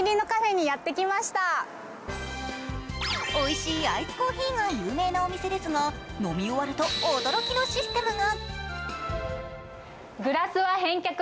おいしいアイスコーヒーが有名なお店ですが飲み終わると驚きのシステムが。